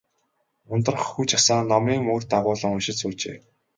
Ундрах хүж асаан, номын мөр дагуулан уншиж суужээ.